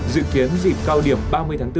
dự kiến dịp cao điểm ba mươi tháng bốn